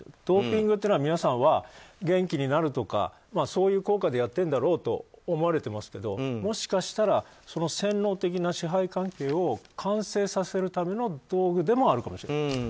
ドーピングって皆さんは、元気になるとかそういう効果でやってるんだろうと思われてますけどもしかしたら洗脳的な支配環境を完成させるための道具でもあるかもしれない。